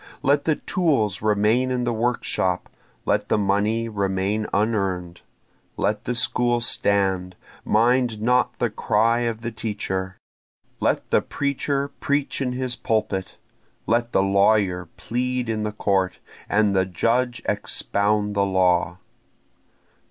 Let the tools remain in the workshop! let the money remain unearn'd! Let the school stand! mind not the cry of the teacher! Let the preacher preach in his pulpit! let the lawyer plead in the court, and the judge expound the law.